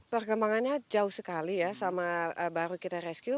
perkembangannya jauh sekali ya sama baru kita rescue